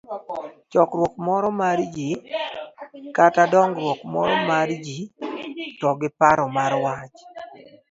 chokruok moro mar ji, kata dongruok moro mar ji, to gi paro mar wach